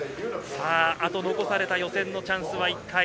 あと残された予選のチャンスは１回。